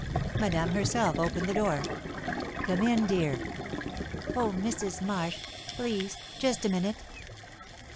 Madame herself opened the door. "Come in, dear!" "Oh, Mrs. Marsh! Please, just a minute!"